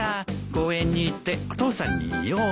公園に行ってお父さんに言おう。